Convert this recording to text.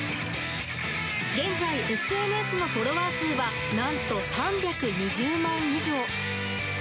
現在、ＳＮＳのフォロワー数は、なんと３２０万以上。